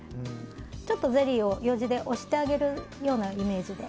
ちょっとゼリーをようじで押してあげるようなイメージで。